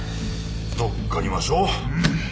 乗っかりましょう。